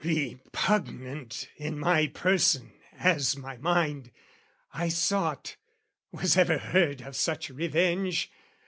Repugnant in my person as my mind, I sought, was ever heard of such revenge?